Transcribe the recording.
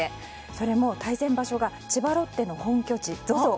それも、対戦場所が千葉ロッテの本拠地ＺＯＺＯ